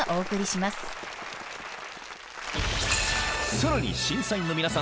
［さらに審査員の皆さん